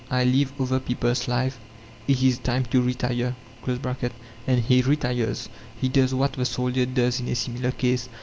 ("I live other people's life: it is time to retire!") And he retires. He does what the soldier does in a similar case.